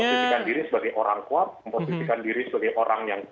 memposisikan diri sebagai orang kuat memposisikan diri sebagai orang yang